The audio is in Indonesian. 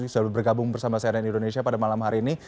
sudah bergabung bersama cnn indonesia pada malam hari ini